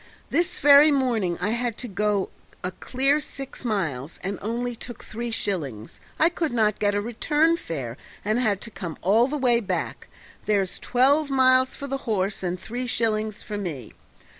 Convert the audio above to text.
This very morning I had to go a clear six miles and only took three shillings. I could not get a return fare, and had to come all the way back; there's twelve miles for the horse and three shillings for me.